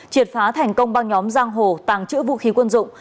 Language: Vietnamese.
triệt phá thành công băng nhóm giang hồ tàng trữ vũ khí quân dụng